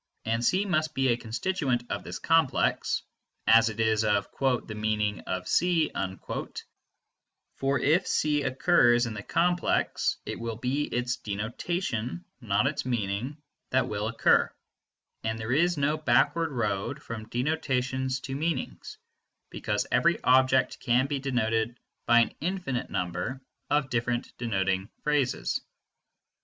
And C must not be a constituent of this complex (as it is of "the meaning of C"); for if C occurs in the complex, it will be its denotation, not its meaning, that will occur, and there is no backward road from denotations to meaning, because every object can be denoted by an infinite number of different denoting phrases.